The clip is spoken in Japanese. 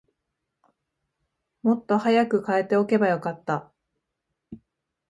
もっと早く替えておけばよかった